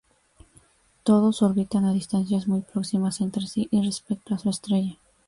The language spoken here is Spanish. Todos orbitan a distancias muy próximas entre sí y respecto a su estrella.